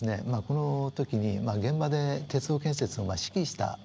この時に現場で鉄道建設を指揮した人です。